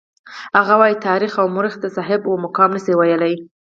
هغه وايي تاریخ او مورخ د صحابه وو مقام نشي ویلای.